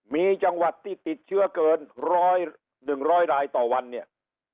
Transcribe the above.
มีจังหวัดที่ติดเชื้อเกินร้อย๑๐๐รายต่อวันเนี่ย